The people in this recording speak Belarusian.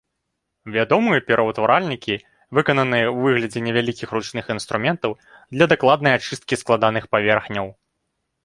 Вядомыя пераўтваральнікі, выкананыя ў выглядзе невялікіх ручных інструментаў для дакладнай ачысткі складаных паверхняў.